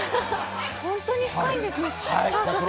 本当に深いんですね。